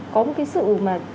có một cái sự mà